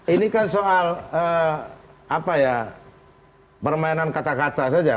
ini kan soal apa ya permainan kata kata saja